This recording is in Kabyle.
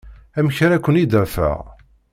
Amek ara ken-id-afeɣ?